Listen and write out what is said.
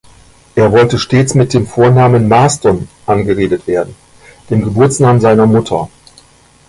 Er wollte stets mit dem Vornamen Marston angeredet werden, dem Geburtsnamen seiner Mutter.